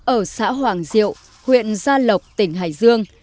ở xã hoàng diệu huyện gia lộc tỉnh hải dương